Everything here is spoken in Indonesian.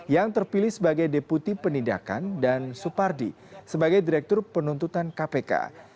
yang terpilih sebagai deputi penindakan dan supardi sebagai direktur penuntutan kpk